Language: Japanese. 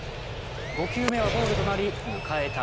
５球目はボールとなり迎えた